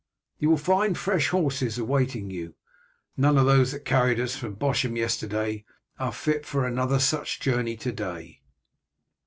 You will find fresh horses awaiting you. None of those that carried us from Bosham yesterday are fit for another such journey to day."